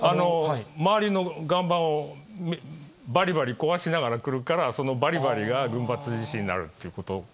周りの岩盤をばりばり壊しながら来るから、そのばりばりが、群発地震になるということ。